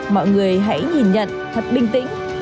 mọi người hãy nhìn nhận thật bình tĩnh